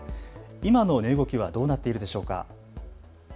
今の値動きはどうなっているでしょうか。